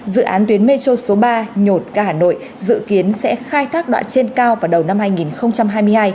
dự án tuyến metro số ba nhột ga hà nội dự kiến sẽ khai thác đoạn trên cao vào đầu năm hai nghìn hai mươi hai